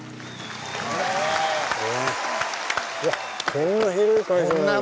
こんな広い会場なんだ。